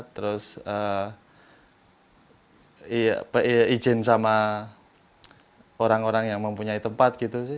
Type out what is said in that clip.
terus izin sama orang orang yang mempunyai tempat gitu sih